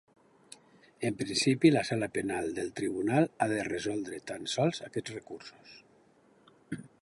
En principi, la sala penal del tribunal ha de resoldre tan sols aquests recursos.